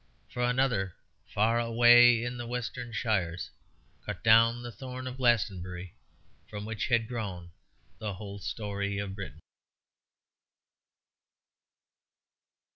For another, far away in the western shires, cut down the thorn of Glastonbury, from which had grown the whole story of Britain.